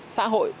ba xã hội